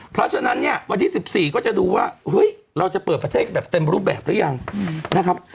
เพราะฉะนั้นเนี่ยวันที่๑๔ก็จะดูว่าเฮ้ยเราจะเปิดประเทศแบบเต็มรูปแบบหรือยังนะครับ